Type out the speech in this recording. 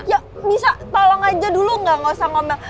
ya dulu gak usah ngomel